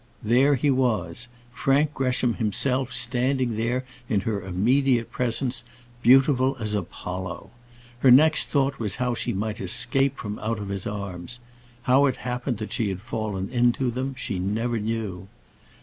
There he was, Frank Gresham himself standing there in her immediate presence, beautiful as Apollo. Her next thought was how she might escape from out of his arms. How it happened that she had fallen into them, she never knew.